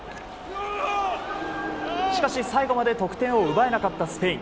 しかし、最後まで得点を奪えなかったスペイン。